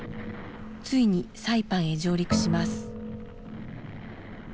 ついにサイパンへ上陸します。